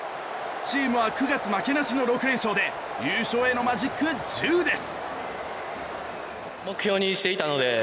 チームは９月負けなしの６連勝で優勝へのマジック１０です！